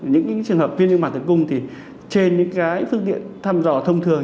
những trường hợp viêm niêm mạc tử cung thì trên những cái phương tiện thăm dò thông thường